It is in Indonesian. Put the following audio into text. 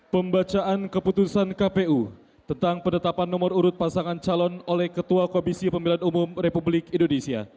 pembacaan keputusan kpu tentang penetapan nomor urut pasangan calon oleh ketua komisi pemilihan umum republik indonesia